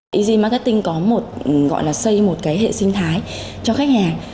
easy marketing có một gọi là xây một cái hệ sinh thái cho khách hàng